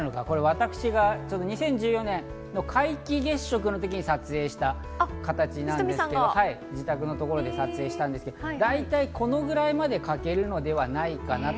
私が２０１４年皆既月食の時に撮影した形になるんですけど、自宅のところで撮影したんですけど大体このぐらいまで欠けるのではないかなと。